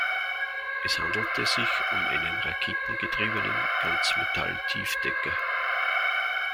Es handelte sich um einen raketengetriebenen Ganzmetalltiefdecker.